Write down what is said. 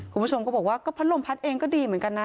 คุณผู้ชมก็บอกว่าก็พัดลมพัดเองก็ดีเหมือนกันนะ